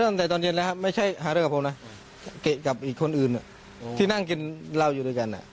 มันไม่ชวนเขาหรอ